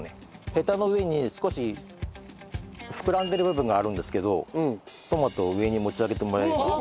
ヘタの上に少し膨らんでる部分があるんですけどトマトを上に持ち上げてもらえば。